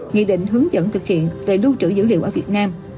nghị định hướng dẫn thực hiện về lưu trữ dữ liệu ở việt nam